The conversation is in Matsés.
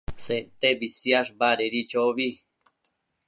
Sectebi siash badedi chobi